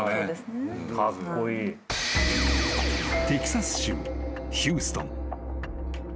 ［テキサス州ヒューストン］